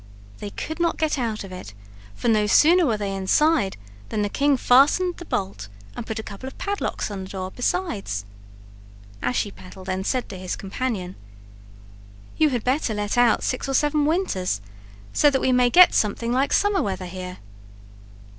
They could not get out of it, for no sooner were they inside than the king fastened the bolt and put a couple of padlocks on the door besides. Ashiepattle then said to his companion: "You had better let out six or seven winters, so that we may get something like summer weather here."